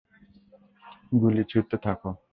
গুলি ছুঁড়তে থাক!